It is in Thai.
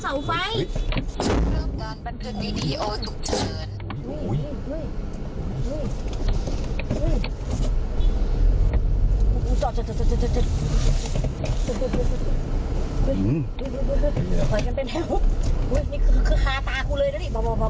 มันก็กำลังรีบเหมือนกัน